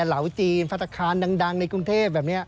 เหลาจีนฟัฏฆานดังในกรุงเทพฯแบบนี้